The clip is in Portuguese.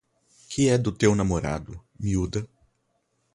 Que é do teu namorado, miúda?